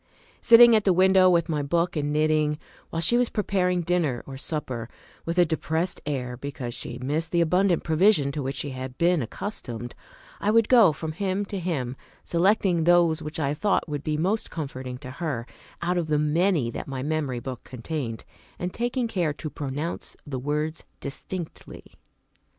Sitting at the window with my book and my knitting, while she was preparing dinner or supper with a depressed air because she missed the abundant provision to which she held been accustomed, I would go from hymn to hymn, selecting those which I thought would be most comforting to her, out of the many that my memory book contained, and taking care to pronounce the words distinctly.